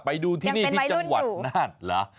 ไปดูที่นี่ที่จังหวัดน่านเหรอ